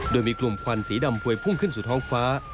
โดยมีกลุ่มควันสีดำพวยพุ่งขึ้นสู่ท้องฟ้า